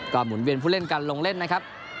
หมุนเวียนผู้เล่นกันลงเล่นนะครับ